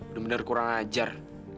bener bener kurang ajar